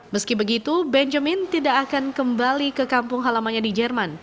meski begitu benjamin tidak akan kembali ke kampung halamannya di jerman